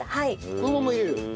このまま入れる。